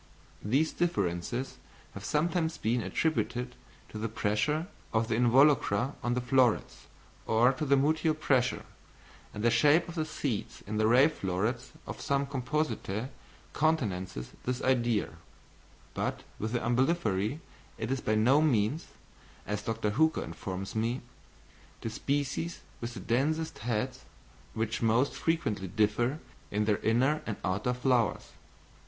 These differences have sometimes been attributed to the pressure of the involucra on the florets, or to their mutual pressure, and the shape of the seeds in the ray florets of some Compositæ countenances this idea; but with the Umbelliferæ it is by no means, as Dr. Hooker informs me, the species with the densest heads which most frequently differ in their inner and outer flowers.